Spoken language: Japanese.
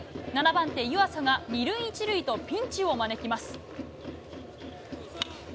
７番手、湯浅が２塁１塁とピンチを招きます。